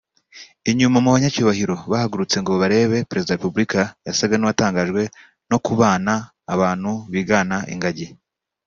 Inyuma mu banyacyubahiro bahagurutse ngo barebe na Perezida wa Repubulika yasaga n’uwatangajwe no kubana abantu bigana ingagi